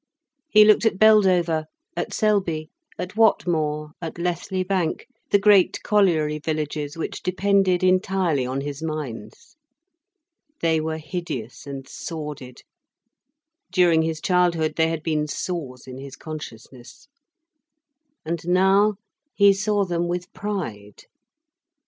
He looked at Beldover, at Selby, at Whatmore, at Lethley Bank, the great colliery villages which depended entirely on his mines. They were hideous and sordid, during his childhood they had been sores in his consciousness. And now he saw them with pride.